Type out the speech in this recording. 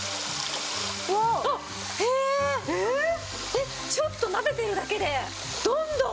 えっちょっとなでてるだけで。